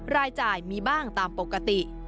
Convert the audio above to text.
รายจ่ายมีบ้างตามปกติ